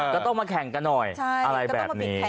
ก็ต้องมาแข่งกันหน่อยอะไรแบบนี้